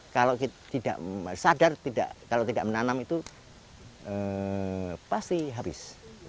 kalau tidak sadar kalau tidak menanam itu pasti habis